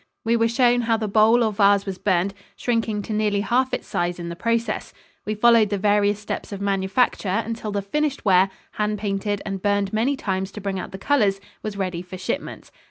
We were shown how the bowl or vase was burned, shrinking to nearly half its size in the process. We followed the various steps of manufacture until the finished ware, hand painted, and burned many times to bring out the colors, was ready for shipment.